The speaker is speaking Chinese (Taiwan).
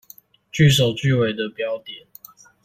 句首句尾的標點